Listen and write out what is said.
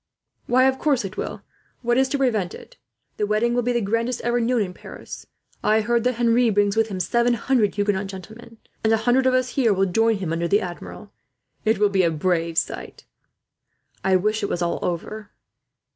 "Why, of course it will. What is to prevent it? The wedding will be the grandest ever known in Paris. I hear that Henri brings with him seven hundred Huguenot gentlemen; and a hundred of us here will join him, under the Admiral. It will be a brave sight." "I wish it was all over."